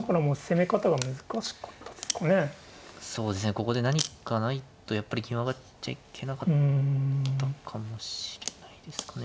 ここで何かないとやっぱり銀を上がっちゃいけなかったかもしれないですかね。